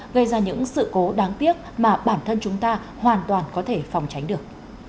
gây ra những sự cố đáng tiếc mà bản thân chúng ta hoàn toàn có thể phòng tránh được